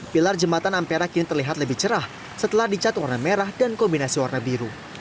pilar jembatan ampera kini terlihat lebih cerah setelah dicat warna merah dan kombinasi warna biru